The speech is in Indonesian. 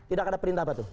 tidak ada perintah apa tuh